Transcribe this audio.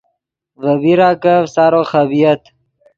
ڤے بیراکف سارو خبۡیت